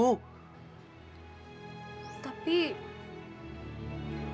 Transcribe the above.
bagaimana pertanggung jawaban saya sebagai suami di mata allah bu